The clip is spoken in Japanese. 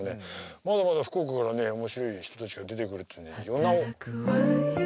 まだまだ福岡からね面白い人たちが出てくるっていうんでｙｏｎａｗｏ。